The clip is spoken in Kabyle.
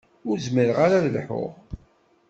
Ur zmireɣ ara ad lḥuɣ.